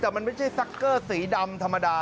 แต่มันไม่ใช่ซักเกอร์สีดำธรรมดา